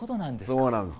そうなんです。